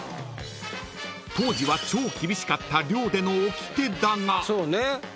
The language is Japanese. ［当時は超厳しかった寮でのおきてだが］